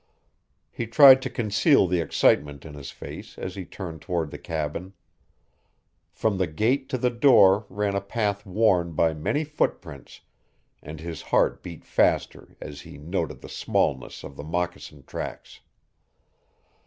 He tried to conceal the excitement in his face as he turned toward the cabin. From the gate to the door ran a path worn by many footprints, and his heart beat faster as he noted the smallness of the moccasin tracks.